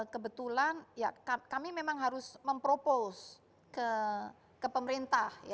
kebetulan ya kami memang harus mempropos ke pemerintah ya